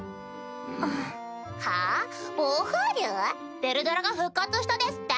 ヴェルドラが復活したですって？